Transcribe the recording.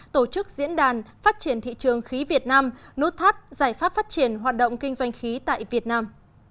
tổ chức diễn đàn phát triển thị trường khí việt nam nút thắt giải pháp phát triển hoạt động kinh doanh khí tại việt nam